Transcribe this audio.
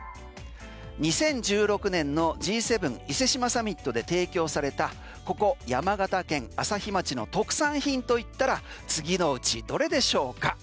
２０１６年のＧ７伊勢志摩サミットで提供されたここ、山形県朝日町の特産品といったら次のうちどれでしょうか？